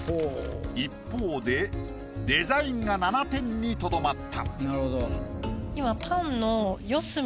一方でデザインが７点にとどまった。